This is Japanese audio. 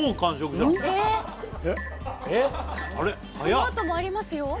このあともありますよ